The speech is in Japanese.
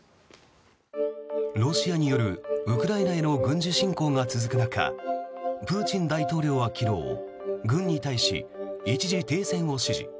ロシアによるウクライナへの軍事侵攻が続く中プーチン大統領は昨日軍に対し、一時停戦を指示。